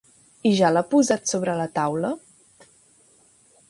I ja l'ha posat sobre la taula?